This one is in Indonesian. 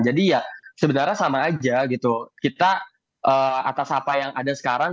jadi ya sebenarnya sama saja gitu kita atas apa yang ada sekarang